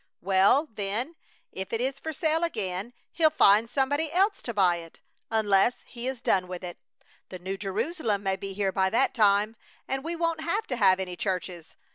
Well, then, if it is for sale again he'll find somebody else to buy it, unless He is done with it. The New Jerusalem may be here by that time and we won't have to have any churches.